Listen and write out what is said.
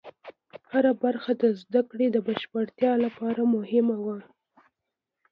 هره برخه د زده کړې د بشپړتیا لپاره مهمه وه.